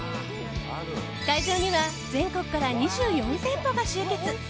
会場には全国から２４店舗が集結。